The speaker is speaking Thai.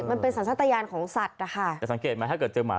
มันเป็นสันสัตยาณของสัตว์นะคะ